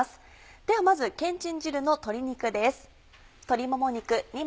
ではまずけんちん汁の鶏肉です。